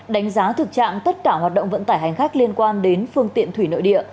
đánh giá thực trạng tất cả hoạt động vận tải hành khách liên quan đến phương tiện thủy nội địa